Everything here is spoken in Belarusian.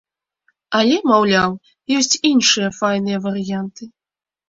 Але, маўляў, ёсць іншыя файныя варыянты.